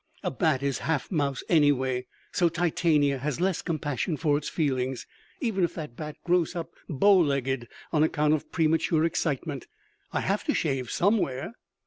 A bat is half mouse anyway, so Titania has less compassion for its feelings. Even if that bat grows up bow legged on account of premature excitement, I have to shave somewhere.